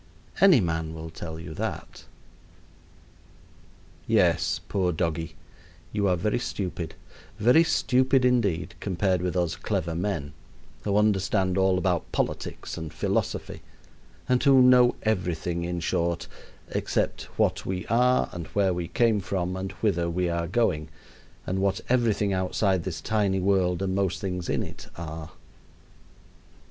Any man will tell you that. Yes, poor doggie, you are very stupid, very stupid indeed, compared with us clever men, who understand all about politics and philosophy, and who know everything, in short, except what we are and where we came from and whither we are going, and what everything outside this tiny world and most things in it are.